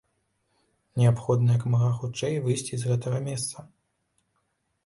Неабходна як мага хутчэй выйсці з гэтага месца.